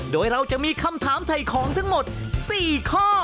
โดยเราจะมีคำถามถ่ายของทั้งหมด๔ข้อ